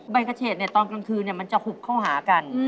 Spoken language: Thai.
กระเฉดตอนกลางคืนมันจะหุบเข้าหากัน